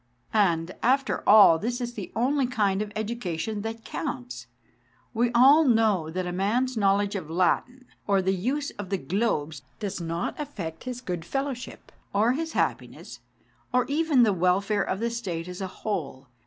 And, after all, this is the only kind of education that counts. We all know that a man's knowledge of Latin or the use of the globes does not affect his good fellow ship, or his happiness, or even the welfare of the State as a whole.